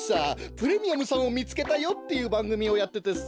「プレミアムさんを見つけたよ！」っていうばんぐみをやっててさ。